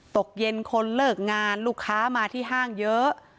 ตกเย็นคนเลิกงานลูกค้ามาที่ห้างเยอะ